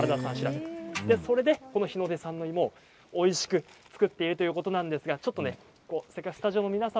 それで日の出産の芋をおいしく作っているということなんですがスタジオの皆さん